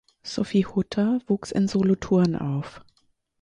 Sophie Hutter wuchs in Solothurn auf.